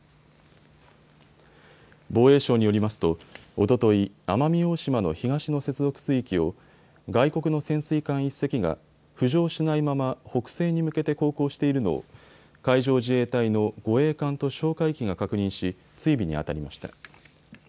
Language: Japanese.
防衛省によりますとおととい、奄美大島の東の接続水域を外国の潜水艦１隻が浮上しないまま北西に向けて航行しているのを海上自衛隊の護衛艦と哨戒機が確認し追尾にあたりました。